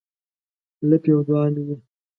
لپې او دوعا مې یې